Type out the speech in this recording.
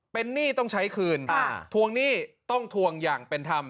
เป็นหนี้ต้องใช้คืนทวงหนี้ต้องทวงอย่างเป็นธรรม